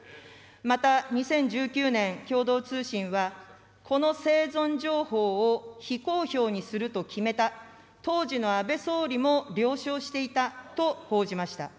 また、２０１９年、共同通信は、この生存情報を非公表にすると決めた、当時の安倍総理も了承していたと報じました。